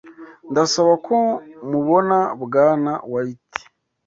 Ndasaba ko mubona Bwana White.